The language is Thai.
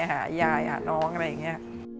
หายายหาน้องอะไรอย่างนี้